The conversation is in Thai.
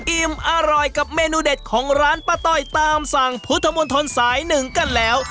อิ่มอร่อยกับเมนูเด็ดของร้านป้าต้อยตามสั่งพุทธมนตรสายหนึ่งกันแล้ว